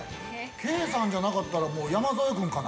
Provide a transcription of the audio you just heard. ケイさんじゃなかったら山添君かな？